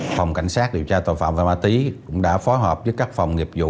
phòng cảnh sát điều tra tội phạm và ma túy cũng đã phó hợp với các phòng nghiệp vụ